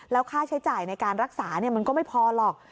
แล้วค่าใช้จ่ายในการรักษามันก็ไม่พอหรอก